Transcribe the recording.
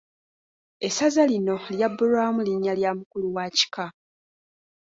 Essaza lino lyabbulwamu linnya lya mukulu wa kika.